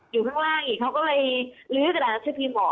อยู่ข้างล่างเขาก็เลยลื้อกระดาษหนังสือพิมพ์มา